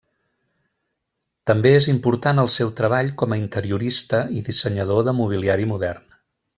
També és important el seu treball com a interiorista i dissenyador de mobiliari modern.